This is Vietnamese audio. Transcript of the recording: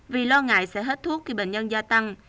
vì lo ngại sẽ hết thuốc khi bệnh nhân gia tăng